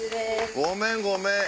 ごめんごめん。